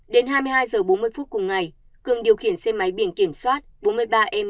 đến hai mươi hai h bốn mươi phút cùng ngày cường điều khiển xe máy biển kiểm soát bốn mươi ba e một bảy trăm hai mươi tám